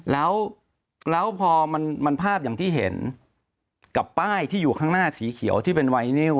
แล้วพอมันภาพอย่างที่เห็นกับป้ายที่อยู่ข้างหน้าสีเขียวที่เป็นไวนิว